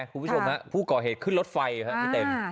คุณผู้ชมฮะผู้ก่อเหตุขึ้นรถไฟครับพี่เต็ม